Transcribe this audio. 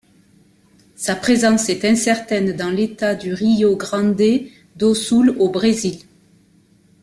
Sa présence est incertaine dans l'État du Rio Grande do Sul au Brésil.